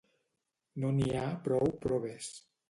No n'hi ha prou proves.